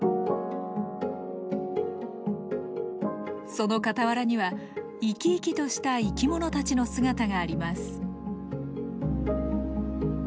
その傍らには生き生きとした生き物たちの姿があります。